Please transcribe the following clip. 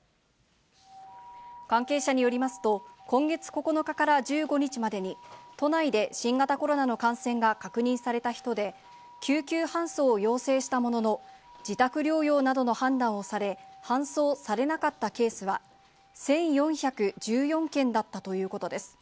関係者によりますと、今月９日から１５日までに、都内で新型コロナの感染が確認された人で、救急搬送を要請したものの、自宅療養などの判断をされ、搬送されなかったケースは、１４１４件だったということです。